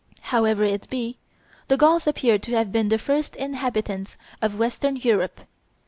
However it be, the Gauls appear to have been the first inhabitants of western Europe.